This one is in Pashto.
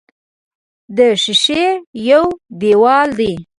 د ښیښې یو دېوال دی.